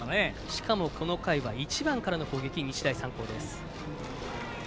しかも、この回は１番からの攻撃、日大三高です。